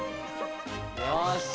「よし！」